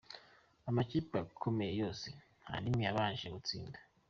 Amakipe akomeye yose nta n’imwe yabashije gutsinda